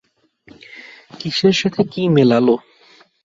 কিসের সাথে কী মেলালো!